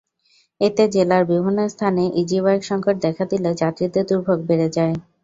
এতে জেলার বিভিন্ন স্থানে ইজিবাইক সংকট দেখা দিলে যাত্রীদের দুর্ভোগ বেড়ে যায়।